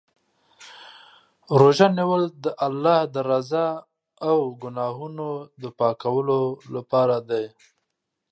روژه نیول د الله د رضا او ګناهونو د پاکولو لپاره دی.